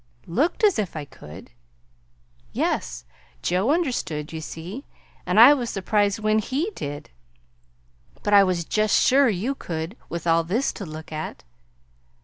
"Looked as if I could!" "Yes. Joe understood, you see, and I was surprised when HE did. But I was just sure you could with all this to look at."